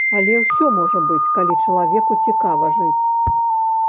Але ўсё можа быць, калі чалавеку цікава жыць.